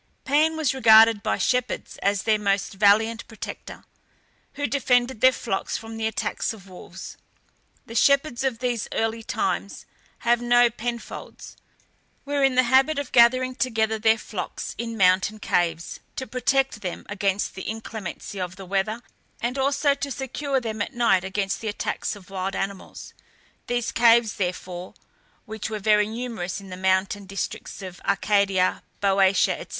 Pan was regarded by shepherds as their most valiant protector, who defended their flocks from the attacks of wolves. The shepherds of these early times, having no penfolds, were in the habit of gathering together their flocks in mountain caves, to protect them against the inclemency of the weather, and also to secure them at night against the attacks of wild animals; these caves, therefore, which were very numerous in the mountain districts of Arcadia, Boeotia, &c.